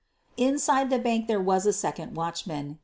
Inside the bank there was a second watchman.